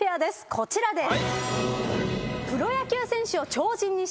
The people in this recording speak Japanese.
こちらです。